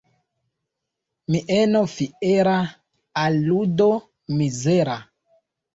Mieno fiera al ludo mizera.